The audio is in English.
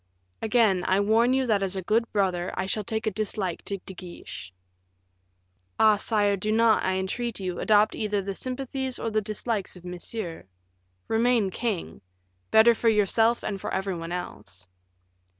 "Again I warn you that as a good brother I shall take a dislike to De Guiche." "Ah, sire, do not, I entreat you, adopt either the sympathies or the dislikes of Monsieur. Remain king; better for yourself and for every one else."